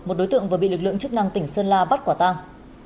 một đối tượng vừa bị lực lượng chức năng tỉnh sơn la bắt quả tang